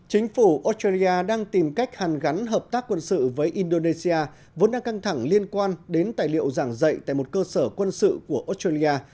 chính phủ australia đang tìm cách hàn gắn hợp tác quân sự với indonesia vốn đang căng thẳng liên quan đến tài liệu giảng dạy tại một cơ sở quân sự của australia